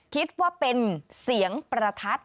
คิดว่าเป็นเสียงประทัด